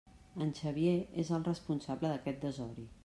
En Xavier és el responsable d'aquest desori!